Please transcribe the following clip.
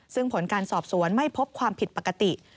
ซึ่งผลการสอบสวนไม่พบความผิดปกติ